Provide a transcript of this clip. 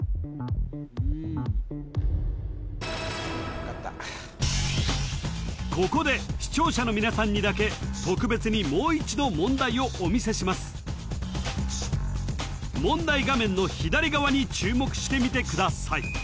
わかったここで視聴者の皆さんにだけ特別にもう一度問題をお見せします問題画面の左側に注目して見てください